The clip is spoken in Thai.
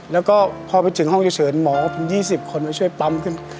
แล้วก็พอไปถึงห้องเฉยหมอผม๒๐คนมาช่วยปั๊มขึ้น